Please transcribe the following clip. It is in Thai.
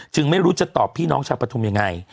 จึงไม่รู้จะตอบพี่น้องชาคประทุ่มยังไง